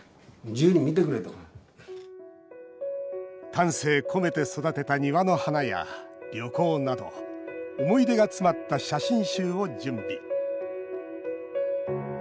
丹精込めて育てた庭の花や旅行など思い出が詰まった写真集を準備。